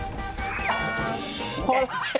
พอแล้ว